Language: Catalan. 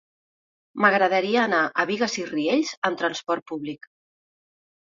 M'agradaria anar a Bigues i Riells amb trasport públic.